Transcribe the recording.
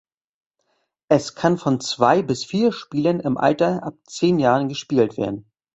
Es kann von zwei bis vier Spielern im Alter ab zehn Jahren gespielt werden.